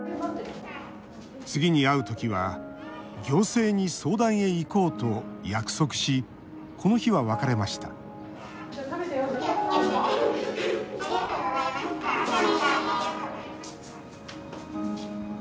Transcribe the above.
次に会うときは行政に相談へ行こうと約束しこの日は別れましたお気をつけて。